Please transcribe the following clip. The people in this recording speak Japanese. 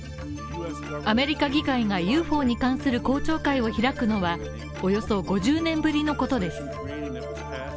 アメリカ議会はＵＦＯに関する公聴会を開くのは、およそ５０年ぶりのことです。